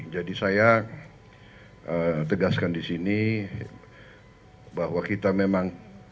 jadi saya tegaskan di sini bahwa kita memang